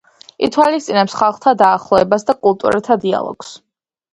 ითვალისწინებს ხალხთა დაახლოებას და კულტურათა დიალოგს.